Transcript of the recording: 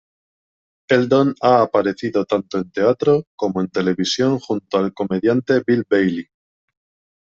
Eldon ha aparecido tanto en teatro como en televisión junto al comediante Bill Bailey.